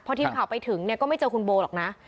พอทีมข่าวไปถึงเนี่ยก็ไม่เจอคุณโบหรอกนะ